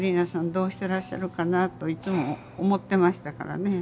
どうしてらっしゃるかなといつも思ってましたからね。